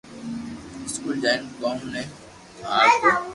اسڪول جائين ڪوم تي آوتو